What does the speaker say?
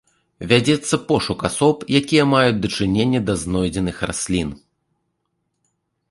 Вядзецца пошук асоб, якія маюць дачыненне да знойдзеных раслін.